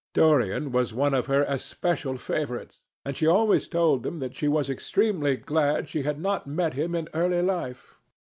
Dorian was one of her especial favourites, and she always told him that she was extremely glad she had not met him in early life.